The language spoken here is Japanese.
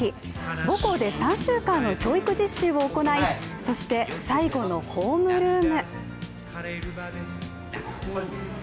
母校で３週間の教育実習を行いそして最後のホームルーム。